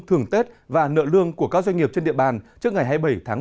thường tết và nợ lương của các doanh nghiệp trên địa bàn trước ngày hai mươi bảy tháng một mươi hai